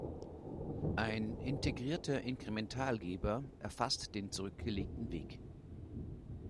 Ein integrierter Inkrementalgeber erfasst den zurückgelegten Weg.